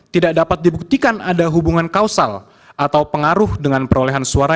tidak dapat dibuktikan ada hubungan kausal atau pengaruh dengan perolehan suara